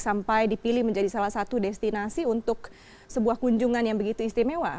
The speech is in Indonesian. sampai dipilih menjadi salah satu destinasi untuk sebuah kunjungan yang begitu istimewa